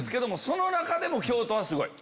その中でも京都はすごい？